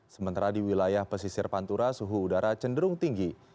sementara di wilayah pesisir pantura suhu udara cenderung tinggi